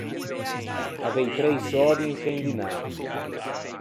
Avei trei södi in sce un dinâ.